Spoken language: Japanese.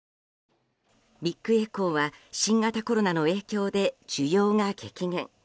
ビッグエコーは新型コロナの影響で需要が激減。